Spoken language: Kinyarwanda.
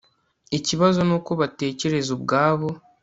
ikibazo nuko batekereza ubwabo